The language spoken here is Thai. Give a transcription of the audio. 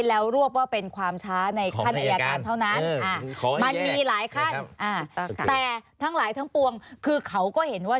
แล้วรวบว่าเป็นความช้าในขั้นอายการเท่านั้น